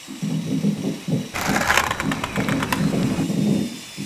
এদিকে আসামিপক্ষের লোকজন তাঁদের পরিবারের লোকজনকে মামলা তুলে নেওয়ার জন্য হুমকি দিচ্ছে।